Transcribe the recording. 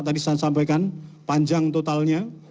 tadi saya sampaikan panjang totalnya